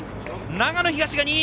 長野東、２位！